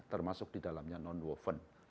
termasuk di dalamnya non woven